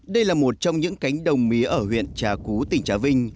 đây là một trong những cánh đồng mía ở huyện trà cú tỉnh trà vinh